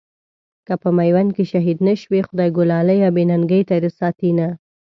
که په ميوند کې شهيد نه شوې، خدایږو لاليه بې ننګۍ ته دې ساتينه